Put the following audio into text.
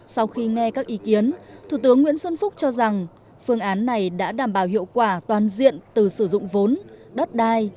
sau khi nghe các ý kiến thủ tướng nguyễn xuân phúc cho rằng phương án này đã đảm bảo hiệu quả toàn diện từ sử dụng vốn đất đai